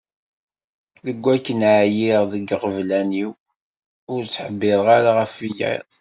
Deg wakken ɛyiɣ deg yiɣeblan-iw, ur ttḥebbireɣ ara ɣef wiyaḍ.